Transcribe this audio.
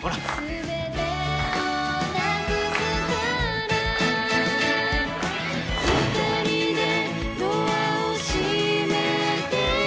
「すべてをなくすから」「ふたりでドアをしめて」